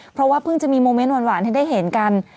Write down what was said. เพราะว่าเพิ่งจะมีโมเมนต์หวานให้ได้เห็นกัน